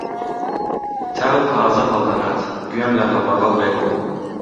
تاو تازە هەڵدەهات گوێم لە غەڵبەغەڵبێک بوو